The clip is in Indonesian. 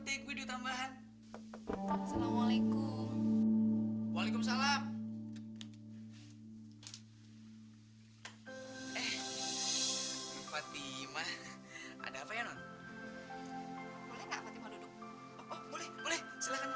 cepetan nanti bahasa kamu abis